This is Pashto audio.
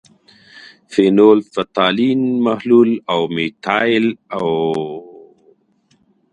فینول فتالین محلول او میتایل ارنج محلول اړین دي.